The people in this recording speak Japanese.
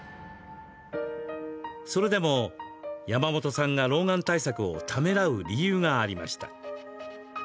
それでも、山本さんが老眼対策をためらう理由がありました。